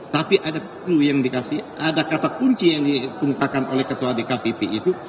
tapi ada perlu yang dikasih ada kata kunci yang dikumpulkan oleh ketua di kpp itu